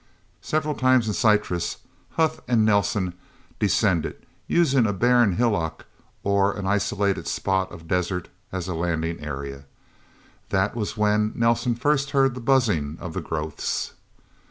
Several times in Syrtis, Huth and Nelsen descended, using a barren hillock or an isolated spot of desert as a landing area. That was when Nelsen first heard the buzzing of the growths.